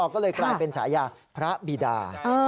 ก็เลยกลายเป็นฉายาพระบีดา